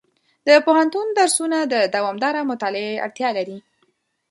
د پوهنتون درسونه د دوامداره مطالعې اړتیا لري.